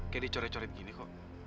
kayak dicoret coret gini kok